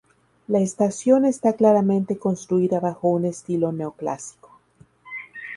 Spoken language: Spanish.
La estación está claramente construida bajo un estilo neoclásico.